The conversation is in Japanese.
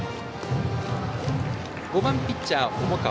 ５番ピッチャー、重川。